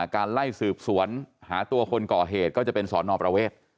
การไล่สืบสวนหาตัวคนก่อเหตุก็จะเป็นสอนอประเวท